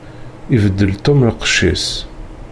Ibeddel Tom lqecc-is.